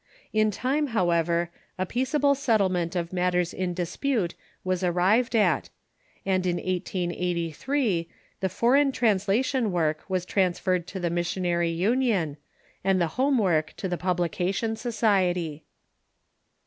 In time, how ever, a peaceable settlement of matters in dispute was arrived at, and in 1883 the foreign translation work was transferred to the Missionary Union, and the home work to the Publication Society.